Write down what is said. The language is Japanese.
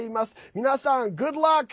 皆さん、グッドラック！